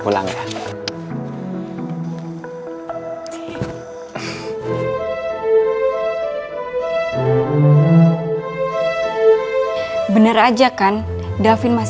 gue gak nyangka ternyata ra ra sama daffin pacaran